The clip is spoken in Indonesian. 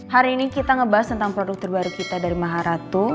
hari ini kita ngebahas tentang produk terbaru kita dari maharatu